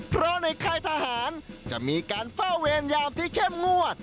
เพราะในค่ายทหารจะมีการเฝ้าเวรยามที่เข้มงวด